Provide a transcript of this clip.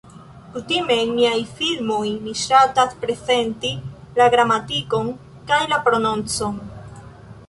Kutime en miaj filmoj, mi ŝatas prezenti la gramatikon, kaj la prononcon.